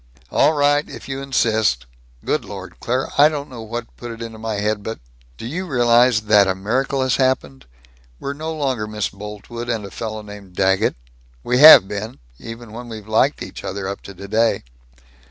"All right, if, you insist. Good Lord, Claire. I don't know what put it into my head but Do you realize that a miracle has happened? We're no longer Miss Boltwood and a fellow named Daggett. We have been, even when we've liked each other, up to today.